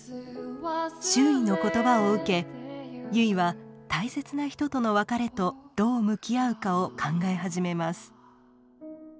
周囲の言葉を受け結は大切な人との別れとどう向き合うかを考え始めます。